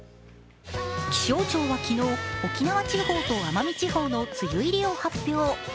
気象庁は昨日、沖縄地方と奄美地方の梅雨入りを発表。